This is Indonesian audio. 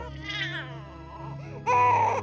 ma pergi dulu ya